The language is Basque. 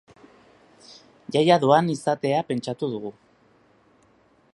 Jaia doan izatea pentsatu dugu.